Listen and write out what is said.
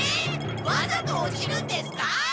わざと落ちるんですか？